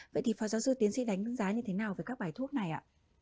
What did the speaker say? vậy thì phó giáo sư tiến sĩ đánh giá như thế nào về các bài thuốc này ạ